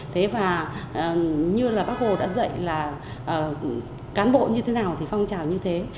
thế và như là bác hồ đã dạy là cán bộ như thế nào thì phong trào như thế